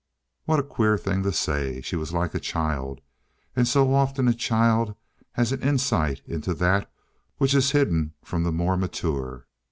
What a queer thing to say! She was like a child and so often a child has an insight into that which is hidden from those more mature!